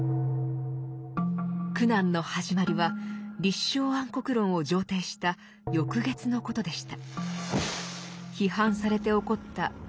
苦難の始まりは「立正安国論」を上呈した翌月のことでした。